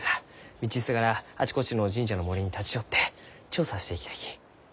道すがらあちこちの神社の森に立ち寄って調査していきたいき。